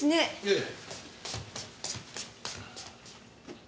ええ。